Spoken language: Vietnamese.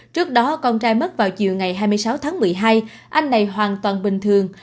trước đó con trai mất vào chiều ngày hai mươi sáu tháng một mươi hai anh này hoàn toàn bình thường